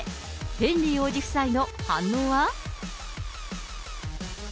ヘンリー王子夫妻の反応は？